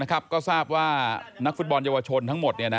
ก็ทราบว่านักฟุตบอลเยาวชนทั้งหมด